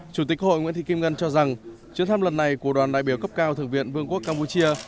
chủ tịch hội nguyễn thị kim ngân cho rằng chuyến thăm lần này của đoàn đại biểu cấp cao thượng viện vương quốc campuchia